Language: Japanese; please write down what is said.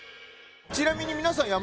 ちなみに皆さんよく